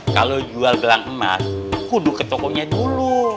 kalau jual gelang emas kudu ke tokonya dulu